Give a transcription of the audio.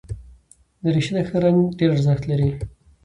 دریشي ته ښه رنګ ډېر ارزښت لري.